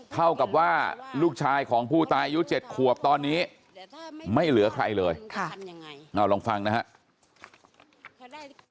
เท่ากับว่าลูกชายของผู้ตายอายุ๗ขวบตอนนี้ไม่เหลือใครเลยเอาลองฟังนะครับ